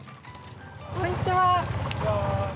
こんにちは。